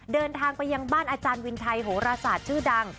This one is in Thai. เดินทางไปยังบ้านอาจารย์วินไทยโหรศาสตร์ชื่อดัง